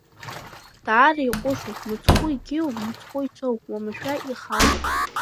Даара иҟәышу, мыцхәы иқьиоу, мыцхәы ицоу, уамашәа ихаау…